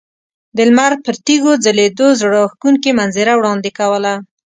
د لمر پر تیږو ځلیدو زړه راښکونکې منظره وړاندې کوله.